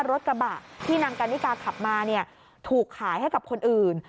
รถกระบะที่นางกันนิกาขับมาถูกขายให้กับคนอื่น